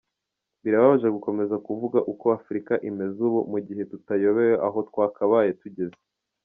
Birababaje gukomeza kuvuga uko Afurika imeze ubu, mu gihe tutayobewe aho twakabaye tugeze.”